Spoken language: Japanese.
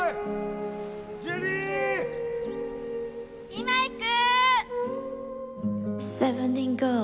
今行く！